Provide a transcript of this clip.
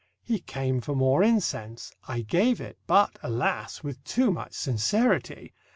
He came for more incense. I gave it, but, alas, with too much sincerity!